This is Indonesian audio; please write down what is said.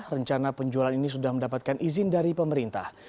rencana penjualan ini sudah mendapatkan izin dari pemerintah